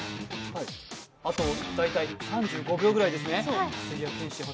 あと大体３５秒くらいですね。